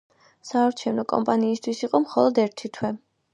საარჩევნო კამპანიისთვის იყო მხოლოდ ერთი თვე.